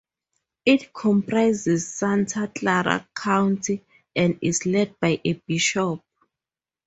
It comprises Santa Clara County, and is led by a bishop.